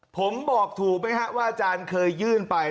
ผมบอกถูกไหมครับว่าอาจารย์เคยยื่นไป